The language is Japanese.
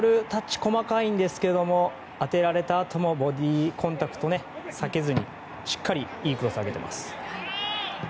細かいんですが当てられたあとのボディーコンタクト、避けずにしっかりいいクロスを上げています。